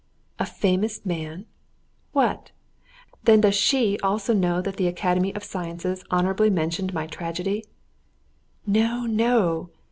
A famous man! What! then does she also know that the Academy of Sciences honourably mentioned my tragedy? No, no!